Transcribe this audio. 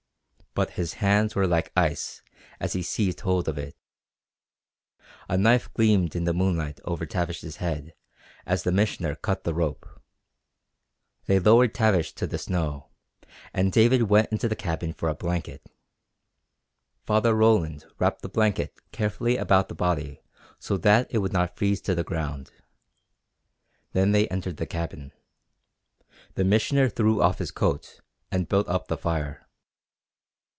But his hands were like ice as he seized hold of it. A knife gleamed in the moonlight over Tavish's head as the Missioner cut the rope. They lowered Tavish to the snow, and David went into the cabin for a blanket. Father Roland wrapped the blanket carefully about the body so that it would not freeze to the ground. Then they entered the cabin. The Missioner threw off his coat and built up the fire.